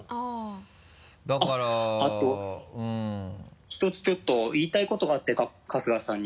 あと１つちょっと言いたいことがあって春日さんに。